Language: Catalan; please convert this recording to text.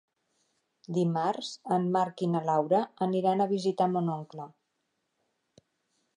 Dimarts en Marc i na Laura aniran a visitar mon oncle.